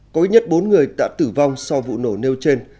có ít nhất bốn người đã tử vong sau vụ nổ nêu trên